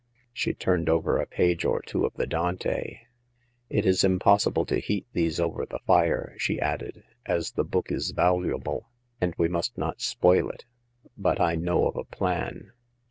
She turned over a page or two of the Dante. " It is impossible to heat these over the fire," she added, as the book is valuable, and we must not spoil it ; but I know of a plan."